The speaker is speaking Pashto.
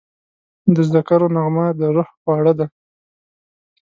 د ذکرو نغمه د روح خواړه ده.